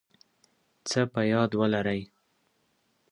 څه په یاد ولرئ